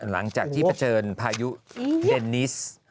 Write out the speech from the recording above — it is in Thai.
หลังจากที่เผชิญพายุเดนนิส